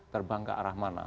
terbang ke arah mana